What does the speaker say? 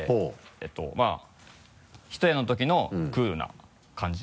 えっと一重の時のクールな感じ